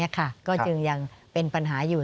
ก็จึงยังเป็นปัญหาอยู่